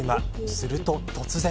すると突然。